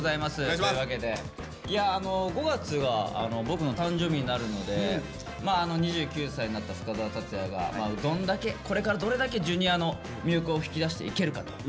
というわけでいや５月は僕の誕生日になるので２９歳になった深澤辰哉がどんだけこれからどれだけＪｒ．の魅力を引き出していけるかと。